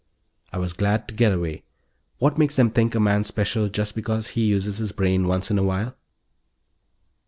I was glad to get away. What makes them think a man's special, just because he uses his brain once in a while?